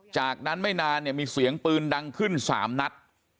จากนั้นไม่นานเนี่ยมีเสียงปืนดังขึ้น๓นัด